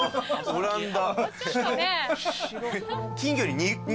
オランダ。